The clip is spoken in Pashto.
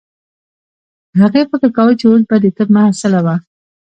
هغې فکر کاوه چې اوس به د طب محصله وه